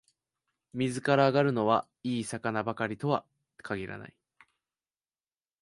水から揚がるのは、いい魚ばかりとは限らない